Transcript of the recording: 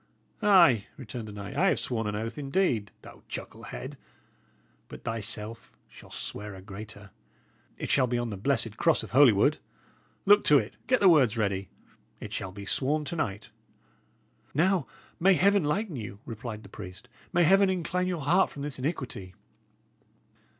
"Ay," returned the knight, "I have sworn an oath, indeed, thou chucklehead; but thyself shalt swear a greater. It shall be on the blessed cross of Holywood. Look to it; get the words ready. It shall be sworn to night." "Now, may Heaven lighten you!" replied the priest; "may Heaven incline your heart from this iniquity!"